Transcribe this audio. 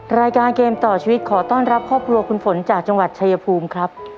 รายการเกมต่อชีวิตขอต้อนรับครอบครัวคุณฝนจากจังหวัดชายภูมิครับ